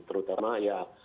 terutama ya di tangerang